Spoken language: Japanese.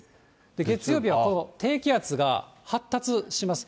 月曜日は低気圧が発達します。